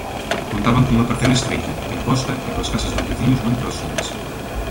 Contaban cunha parcela estreita, en costa e coas casas dos veciños moi próximas.